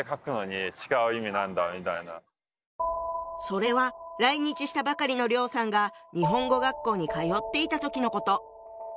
それは来日したばかりの梁さんが日本語学校に通っていた時のこと。